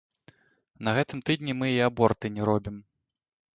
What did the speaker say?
На гэтым тыдні мы і аборты не робім.